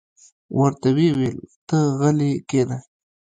ورته ویې ویل: ته غلې کېنه.